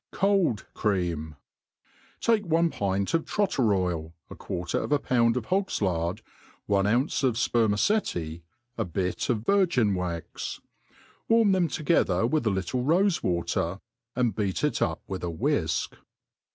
407, Cold Cream* TAKE one pint of trotter oil^ a quarter of a pound of hog's lard, one ounce of fpermaceti^ a bic of virgin wax ; warm them together with a little rofe water, and beat ic up withawhiik.